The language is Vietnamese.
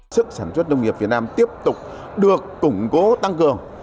sức sản xuất nông nghiệp việt nam tiếp tục được củng cố tăng cường